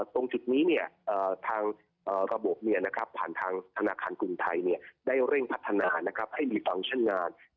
ตรงจุดนี้ทางระบบผ่านทางธนาคารกรุงไทยได้เร่งพัฒนาให้รีฟังก์ชั่นงาน